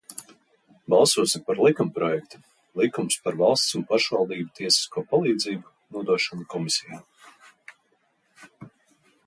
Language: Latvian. "Balsosim par likumprojekta "Likums par valsts un pašvaldību tiesisko palīdzību" nodošanu komisijām."